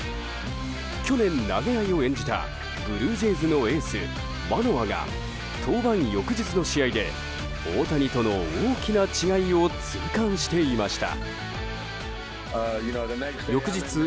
去年、投げ合いを演じたブルージェイズのエースマノアが、登板翌日の試合で大谷との大きな違いを痛感していました。